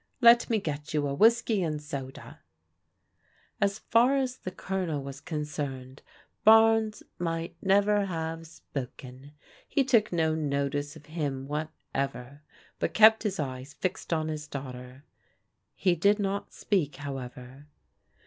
Let me get you a whiskey and soda." As far as the G)lonel was concerned, Barnes might never have spoken. He took no notice of him what ever, but kept his eyes fixed on his daughter. He did not speak, however.